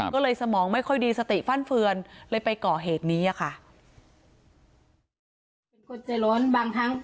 ก็เลยสมองไม่ค่อยดีสติฟั่นเฟือนเลยไปก่อเหตุนี้ค่ะ